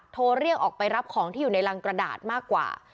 โทรเรียกออกไปรับของที่อยู่ในรังกระดาษมากกว่า